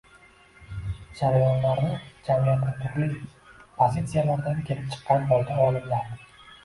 jarayonlarni jamiyatning turli pozitsiyalardan kelib chiqqan holda olimlar